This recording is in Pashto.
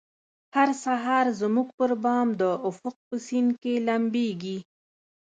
هر سهار زموږ پربام د افق په سیند کې لمبیږې